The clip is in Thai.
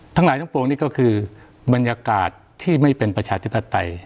ทั้งหลายทั้งปวงนี่ก็คือบรรยากาศที่ไม่เป็นประชาธิปไตย